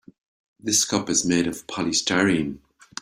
This cup is made of polystyrene.